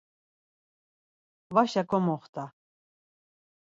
Vaşa komoxta!